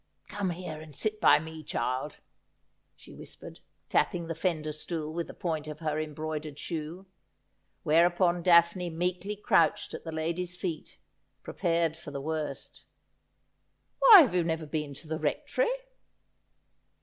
'Come here and sit by me, child,' she whispered, tapping the fender stool with the point of her embroidered shoe, whereupon Daphne meekly crouched at the lady's feet, prepared for the worst. ' Why have you never been to the Rectory